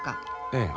ええ。